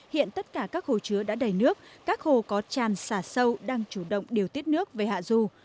hiện tất cả các hồ chứa đã đầy nước các hồ có tràn xả sâu đang chủ động điều tiết nước về hạ du